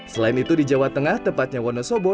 selain itu di jawa tengah tepatnya wonosobo